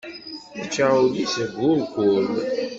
Ičča ul-is deg urkul.